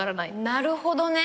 なるほどね。